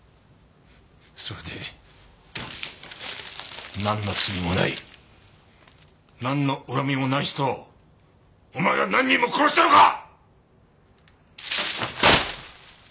それでなんの罪もないなんの恨みもない人をお前は何人も殺したのか！？